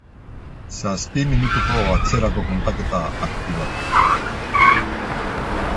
Zazpi minutuko atzerako kontaketa aktibatu